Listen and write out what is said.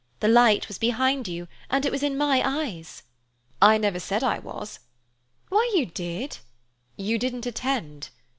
The light was behind you, and it was in my eyes." "I never said I was." "Why, you did!" "You didn't attend."